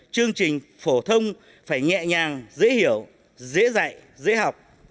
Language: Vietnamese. chương trình phổ thông phải nhẹ nhàng dễ hiểu dễ dạy dễ học